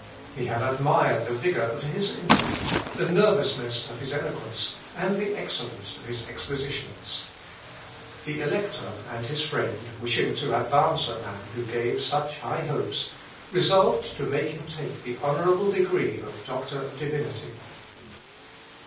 He had admired the vigour of his intellect, the nervousness of his eloquence, and the excellence of his expositions. The elector and his friend, wishing to advance a man who gave such high hopes, resolved to make him take the honourable degree of Doctor of Divinity.